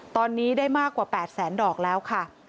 ตอนนี้ได้มากกว่า๘แสนดอกแล้วค่ะ